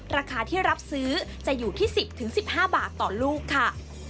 ราคาที่รับซื้อจะอยู่ที่๑๐๑๕บาทต่อลูกค่ะ